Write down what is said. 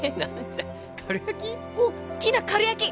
おっきなかるやき！